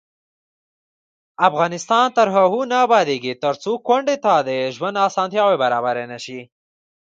افغانستان تر هغو نه ابادیږي، ترڅو کونډې ته د ژوند اسانتیاوې برابرې نشي.